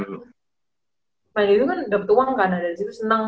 pemain itu kan dapet uang karena disitu senang